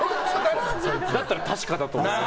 だったら確かだと思います。